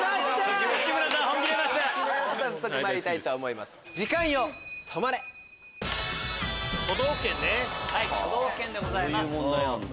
はい都道府県でございます。